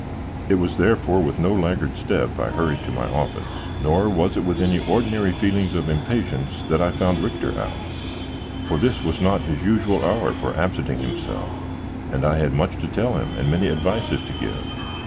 It was therefore with no laggard step I hurried to my office, nor was it with any ordinary feelings of impatience that I found Richter out; for this was not his usual hour for absenting himself and I had much to tell him and many advices to give.